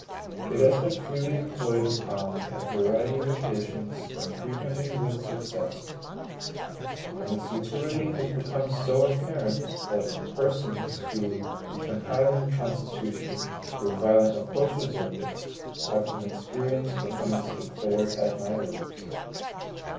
It has been freely employed upon a variety of occasions, and frequently with success. And its utility has become so apparent, that persons who, in compiling the Constitution, were violent opposers of it, have from experience become its declared admirers.